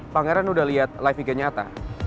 pangeran udah liat live video nyata